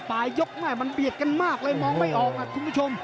ปลายยกแม่มันเบียดกันมากเลยมองไม่ออกคุณผู้ชม